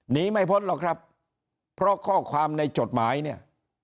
หนีไม่พ้นหรอกครับเพราะข้อความในจดหมายเนี่ย